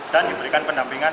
dan diberikan pendampingan